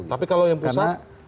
tapi kalau yang pusat